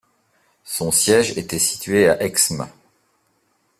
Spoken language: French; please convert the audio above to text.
Son siège était situé à Exmes.